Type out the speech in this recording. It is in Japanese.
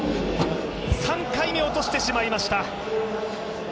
３回目、落としてしまいました。